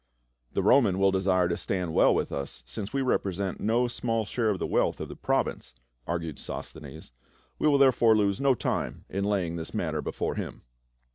"The Roman will desire to stand well with us, since we represent no small share of the wealth of the province," argued So.sthenes. " Wc will therefore lose no time in laying this matter before him."